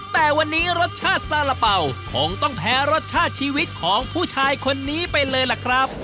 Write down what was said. แต่วันนี้รสชาติซาระเป่าคงต้องแพ้รสชาติชีวิตของผู้ชายคนนี้ไปเลยล่ะครับ